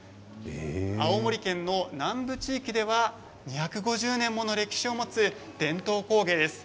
青森県の南部地域では２５０年もの歴史を持つ伝統工芸です。